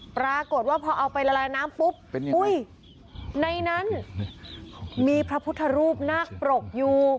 ปรากฏว่าพอเอาไปละลายน้ำปุ๊บอุ้ยในนั้นมีพระพุทธรูปนาคปรกอยู่